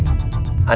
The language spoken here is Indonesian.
gopi semua kapal